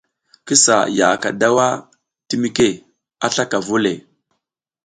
Ki sa yaʼaka daw a timike a slaka vu o le.